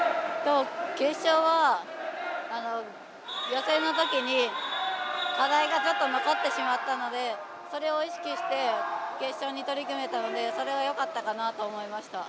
決勝は予選のときに課題がちょっと残ってしまったのでそれを意識して決勝に取り組めたのでそれはよかったかなと思いました。